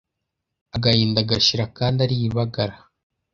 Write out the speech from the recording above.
Agahinda gashira akandi ari ibagara